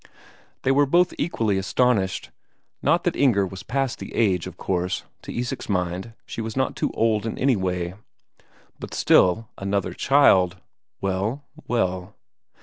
They were both equally astonished. Not that Inger was past the age, of course; to Isak's mind, she was not too old in any way. But still, another child ... well, well....